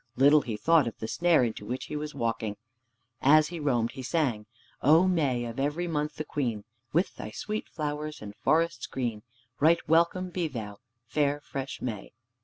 Little he thought of the snare into which he was walking. As he roamed he sang "O May, of every month the queen, With thy sweet flowers and forests green, Right welcome be thou, fair fresh May."